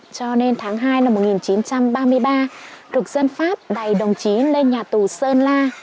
cho nên tháng hai năm một nghìn chín trăm ba mươi ba thực dân pháp đẩy đồng chí lên nhà tù sơn la